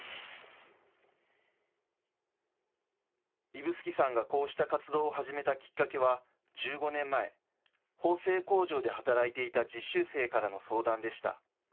指宿さんがこうした活動を始めたきっかけは、１５年前、縫製工場で働いていた実習生からの相談でした。